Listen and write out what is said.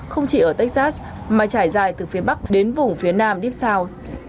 không chỉ ở texas mà trải dài từ phía bắc đến vùng phía nam điếp sau